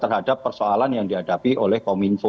terhadap persoalan yang dihadapi oleh kominfo